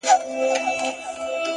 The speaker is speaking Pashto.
علم د هدفونو درک آسانه کوي.!